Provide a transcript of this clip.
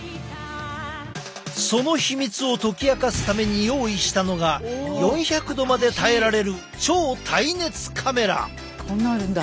その秘密を解き明かすために用意したのが４００℃まで耐えられる超耐熱カメラ！